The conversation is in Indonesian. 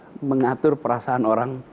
saya nggak bisa mengatur perasaan orang